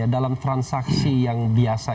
dalam transaksi yang biasa